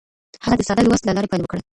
هغه د ساده لوست له لارې پیل وکړ.